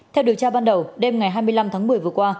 theo điều tra ban đầu đêm ngày hai mươi năm tháng một mươi vừa qua